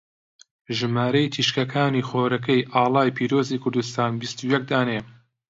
ژمارەی تیشکەکانی خۆرەکەی ئاڵای پیرۆزی کوردستان بیستو یەک دانەیە.